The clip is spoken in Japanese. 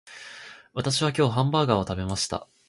私は今日ハンバーガーを食べました